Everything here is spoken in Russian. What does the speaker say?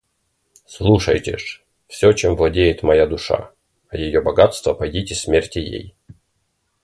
Слушайте ж: все, чем владеет моя душа, – а ее богатства пойдите смерьте ей!